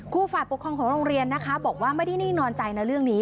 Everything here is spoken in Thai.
ฝ่ายปกครองของโรงเรียนนะคะบอกว่าไม่ได้นิ่งนอนใจในเรื่องนี้